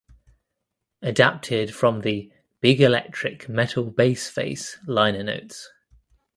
Adapted from the "Big Electric Metal Bass Face" liner notes.